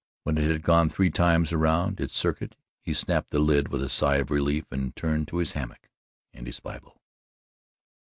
When it had gone three times around its circuit, he snapped the lid with a sigh of relief and turned to his hammock and his Bible.